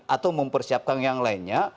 atau mempersiapkan yang lainnya